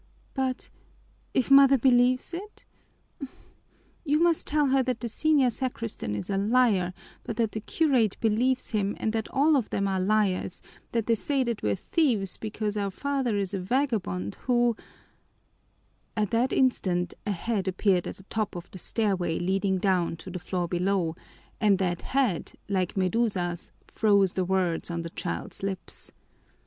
But, if mother believes it? You must tell her that the senior sacristan is a liar but that the curate believes him and that all of them are liars, that they say that we're thieves because our father is a vagabond who " At that instant a head appeared at the top of the stairway leading down to the floor below, and that head, like Medusa's, froze the words on the child's lips.